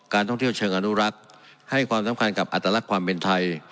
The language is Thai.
ท่องเที่ยวเชิงอนุรักษ์ให้ความสำคัญกับอัตลักษณ์ความเป็นไทย